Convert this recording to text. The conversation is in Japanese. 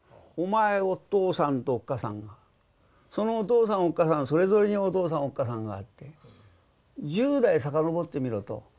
お前お父さんとおっかさんがそのお父さんおっかさんそれぞれにお父さんおっかさんがあって十代遡ってみろと。